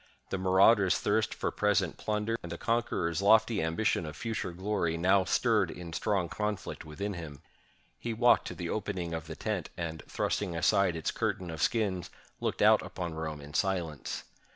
The marauder's thirst for present plunder, and the conqueror's lofty ambition of future glory, now stirred in strong conflict within him. He walked to the opening of the tent, and, thrusting aside its curtain of skins, looked out upon Rome in silence.